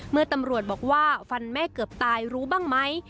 เมื่อตำรวจบอกว่าฟันแม่เกือบตายรู้บ้างไหม